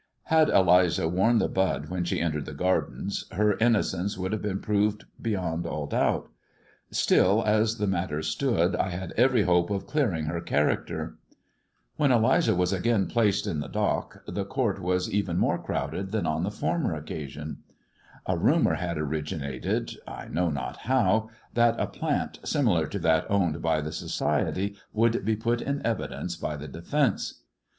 Had Eliza worn the bud when she entered the Gardens, her innocence would have been proved beyond all doubt. Still as the matter stood I had every hope of clearing her character. When Eliza was again placed in the dock the court was even more cxovr^e^ >(?!wmdl qtl ^G^aaVsrsasst ^^AoajBion. A THE RAINBOW CAMELLIA 323 rumour had originated — I know not how — that a plant similar to that owned by the society would be put in evidence by the defence.